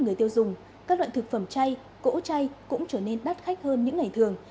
người tiêu dùng các loại thực phẩm chay cỗ chay cũng trở nên đắt khách hơn những ngày thường